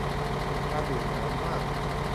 การดื่มน้ำมาก